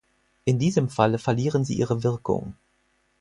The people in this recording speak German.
In diesem Falle verlieren sie ihre Wirkung.